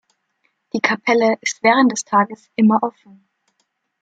Die Kapelle ist während des Tages immer offen.